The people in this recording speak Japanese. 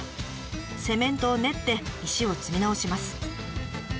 セメントを練って石を積み直します。